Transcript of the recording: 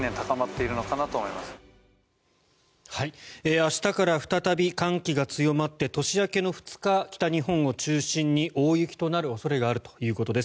明日から再び寒気が強まって年明けの２日、北日本を中心に大雪となる恐れがあるということです。